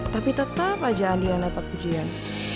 tapi tetap aja andi yang dapat pujian